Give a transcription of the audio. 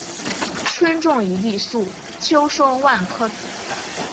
春种一粒粟，秋收万颗子。